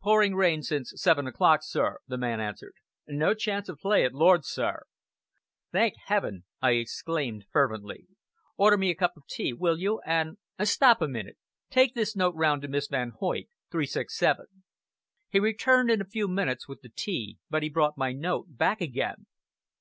"Pouring rain since seven o'clock, sir!" the man answered. "No chance of play at Lord's, sir!" "Thank Heaven!" I exclaimed fervently. "Order me a cup of tea, will you, and stop a minute take this note round to Miss Van Hoyt 367." He returned in a few minutes with the tea; but he brought my note back again.